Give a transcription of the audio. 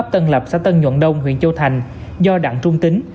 tân nhuận đông huyện châu thành do đặng trung tính